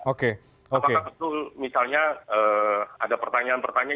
apakah betul misalnya ada pertanyaan pertanyaan